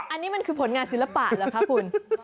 อันนี้มันคือผลงานศิลปะเหรอคะคุณ